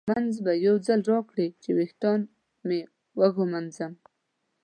ږومنځ به یو ځل راکړې چې ویښتان مې وږمنځم.